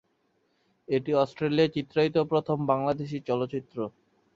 এটি অস্ট্রেলিয়ায় চিত্রায়িত প্রথম বাংলাদেশী চলচ্চিত্র।